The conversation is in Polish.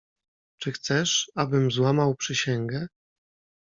"Czy chcesz, abym złamał przysięgę?"